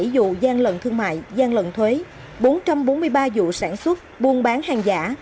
một mươi một một trăm năm mươi bảy vụ gian lận thương mại gian lận thuế bốn trăm bốn mươi ba vụ sản xuất buôn bán hàng giả